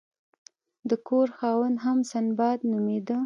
د کور خاوند هم سنباد نومیده.